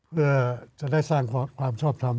เพื่อจะได้สร้างความชอบทำ